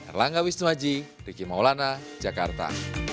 erlangga wisnuhaji dikim maulana jakarta